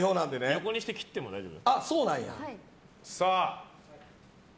横にして切っても大丈夫。